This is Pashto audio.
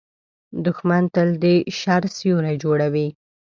دښمن تل د شر سیوری جوړوي